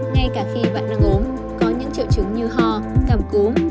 ngay cả khi bạn đang ốm có những triệu chứng như ho cảm cú